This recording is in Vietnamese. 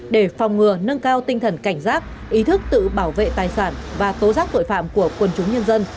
để phòng ngừa nâng cao tinh thần cảnh giác ý thức tự bảo vệ tài sản và tố giác tội phạm của quân chúng nhân dân